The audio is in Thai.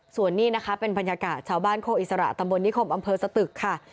ส่วนนี้นะคะเป็นบรรยากาศชาวบ้านโคอิสระตำบลนิคมอำเภอสตึกค่ะ